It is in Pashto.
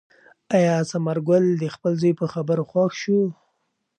آیا ثمر ګل د خپل زوی په خبرو خوښ شو؟